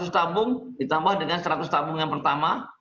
empat ratus tabung ditambah dengan seratus tabung yang pertama